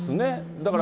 だから。